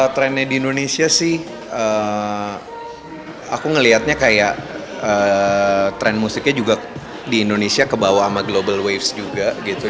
trendnya di indonesia sih aku ngeliatnya kayak tren musiknya juga di indonesia kebawa sama global waves juga gitu